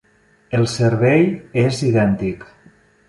El servei és idèntic.